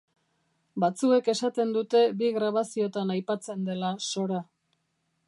Batzuek esaten dute bi grabaziotan aipatzen dela Sora.